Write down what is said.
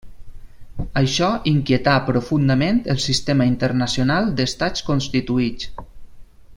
Això inquietà profundament el sistema internacional d'estats constituïts.